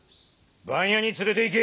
番屋に連れて行け！